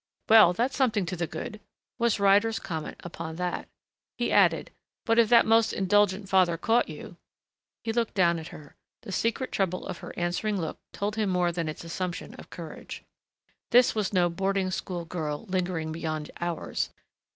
"Well, that's something to the good," was Ryder's comment upon that. He added, "But if that most indulgent father caught you " He looked down at her. The secret trouble of her answering look told him more than its assumption of courage. This was no boarding school girl lingering beyond hours....